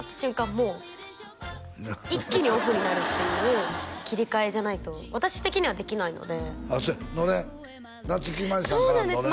もう一気にオフになるっていう切り替えじゃないと私的にはできないのであっそうやのれん夏木マリさんからののれんそうなんです